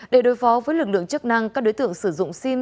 để đối phó với lực lượng chức năng các đối tượng sử dụng sim